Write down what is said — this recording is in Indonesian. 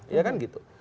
iya kan gitu